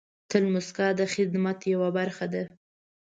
تل موسکا د خدمت یوه برخه ده.